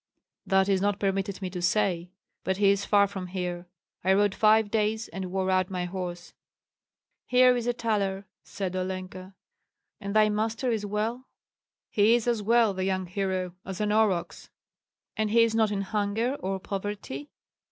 "That is not permitted me to say. But he is far from here; I rode five days, and wore out my horse." "Here is a thaler!" said Olenka. "And thy master is well?" "He is as well, the young hero, as an aurochs." "And he is not in hunger or poverty?"